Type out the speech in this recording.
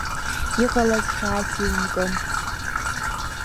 Иҟалаз хьаас иумкын.